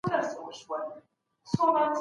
استازي د بشري کرامت ساتلو لپاره څه پلي کوي؟